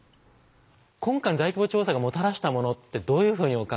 今回の大規模調査がもたらしたものってどういうふうにお考えですか？